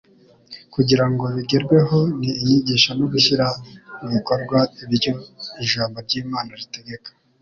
kugira ngo bigerweho ni inyigisho no gushyira mu bikorwa ibyo Ijambo ry'Imana ritegeka.